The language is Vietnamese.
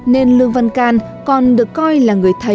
nên lương văn can còn được coi là người thầy của dân